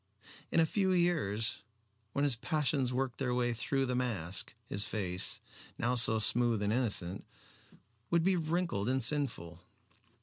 In a few years, when his passions worked their way through the mask, his face, now so smooth and innocent, would be wrinkled and sinful.